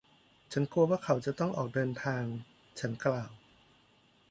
ฉันกลัวว่าเขาจะต้องออกเดินทาง ฉันกล่าว